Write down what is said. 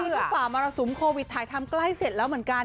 ก็ฝ่ามรสุมโควิดถ่ายทำใกล้เสร็จแล้วเหมือนกัน